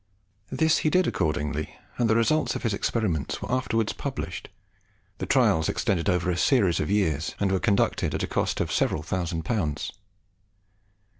This he did accordingly, and the results of his experiments were afterwards published, The trials extended over a series of years, and were conducted at a cost of several thousand pounds.